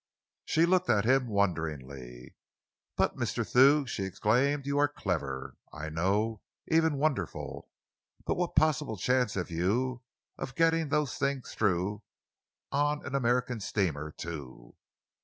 She looked at him wonderingly. "But, Mr. Thew," she exclaimed, "you are clever, I know even wonderful but what possible chance have you of getting those things through on an American steamer, too!"